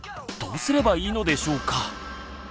どうすればいいのでしょうか？